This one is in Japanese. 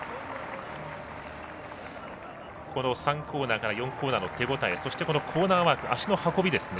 ３コーナーから４コーナーの手応えそしてコーナーワーク脚の運びですね